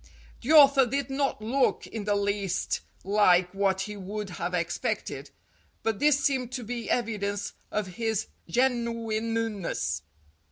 The author did not look in the least like what he would have expected, but this seemed to be evidence of his genuineness.